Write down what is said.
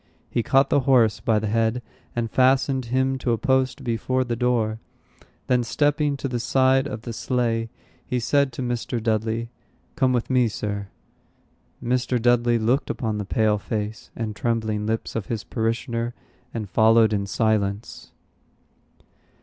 He caught the horse by the head, and fastened him to a post before the door. Then stepping to the side of the sleigh, he said to Mr. Dudley, "Come with me, Sir." Mr. Dudley looked upon the pale face and trembling lips of his parishioner, and followed in silence.